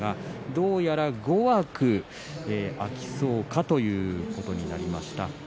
どうやら５枠空きそうかということになります。